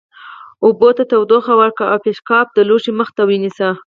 اوبو ته تودوخه ورکړئ او پیشقاب د لوښي مخ ته ونیسئ.